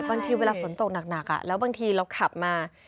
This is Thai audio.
บางทีเวลาฝนตกหนักแล้วบางทีเราขับมา